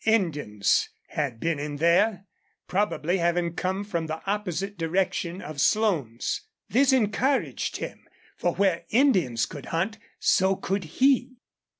Indians had been in there, probably having come from the opposite direction to Slone's. This encouraged him, for where Indians could hunt so could he.